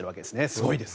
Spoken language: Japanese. すごいです。